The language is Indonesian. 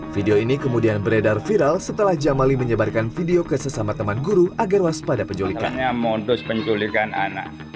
video ini kemudian beredar viral setelah jamali menyebarkan video ke sesama teman guru agar waspada penculikannya